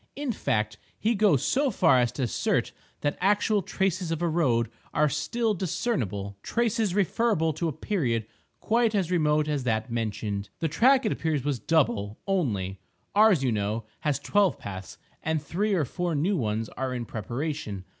In fact, he goes so far as to assert that actual traces of a road are still discernible—traces referable to a period quite as remote as that mentioned. The track, it appears was double only; ours, you know, has twelve paths; and three or four new ones are in preparation.